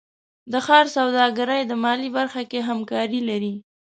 د ښار سوداګرۍ د مالیې برخه کې همکاري لري.